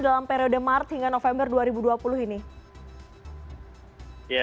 dalam periode maret hingga november dua ribu dua puluh ini